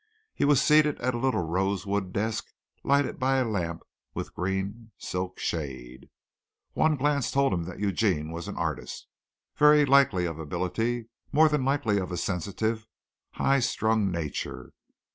He was seated at a little rosewood desk lighted by a lamp with green silk shade. One glance told him that Eugene was an artist very likely of ability, more than likely of a sensitive, high strung nature.